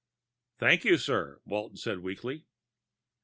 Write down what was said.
"Thank you, sir," Walton said weakly.